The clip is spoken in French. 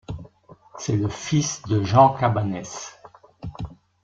C'est le fils de Jean Cabannes.